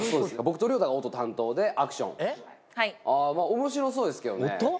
面白そうですけどね。